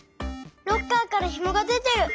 ロッカーからひもがでてる！